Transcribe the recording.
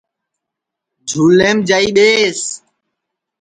جھُولیم جائی ٻیس